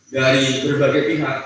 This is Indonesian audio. dari berbagai pihak